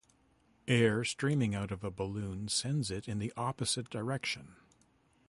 Air streaming out of a balloon sends it in the opposite direction.